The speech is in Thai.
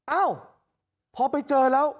เอ้าพอไปเจอละ